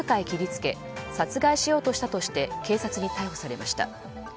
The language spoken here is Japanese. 切り付け殺害しようとしたとして警察に逮捕されました。